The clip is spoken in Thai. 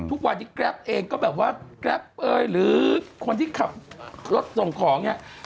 ทุกวันที่กราฟต์เองก็แบบว่ากราฟต์หรือคนที่ขับรถส่งของเนี่ย